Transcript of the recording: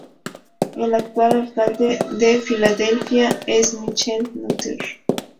El actual alcalde de Filadelfia es Michael Nutter.